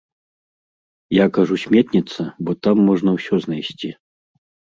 Я кажу сметніца, бо там можна ўсё знайсці.